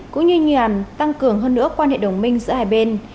cũng như nhằm tăng cường hơn nữa quan hệ đồng minh giữa hai bên